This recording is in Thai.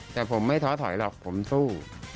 แต่ผมไม่ท้อถอยหรอกผมสู้